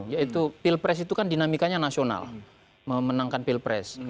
yaitu pilpres itu kan dinamikanya nasional memenangkan pilpres